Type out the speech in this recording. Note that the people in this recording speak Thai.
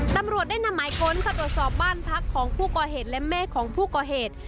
ตำรวจได้นำหมายค้นค่ะตรวจสอบบ้านพักของผู้ก่อเหตุและแม่ของผู้ก่อเหตุ